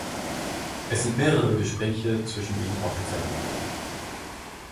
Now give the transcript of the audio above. Es sind mehrere Gespräche zwischen ihnen aufgezeichnet worden.